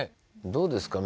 どうですか？